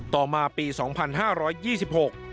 ต่อมาปีสองพันห้าร้อยยี่สิบหก